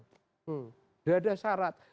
enggak ada syarat